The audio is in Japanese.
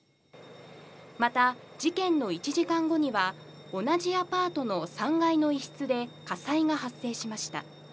また、事件の１時間後には同じアパートの３階の一室で火災が発生しました。